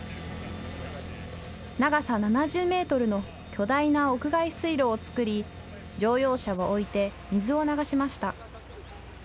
長さ７０メートルの巨大な屋外水路を作り乗用車を置いて水を流しました。